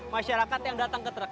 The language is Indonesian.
masyarakat yang datang ke truk